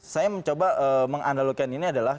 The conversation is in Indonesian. saya mencoba menganalogikan ini adalah